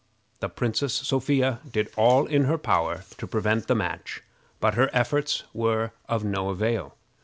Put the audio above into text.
The Princess Sophia did all in her power to prevent the match, but her efforts were of no avail.